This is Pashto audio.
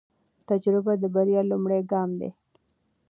تجربه د بریا لومړی ګام دی.